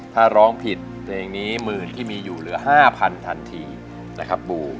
ถ้าร้องผิดเพลงนี้หมื่นที่มีอยู่เหลือ๕๐๐๐ทันทีนะครับบู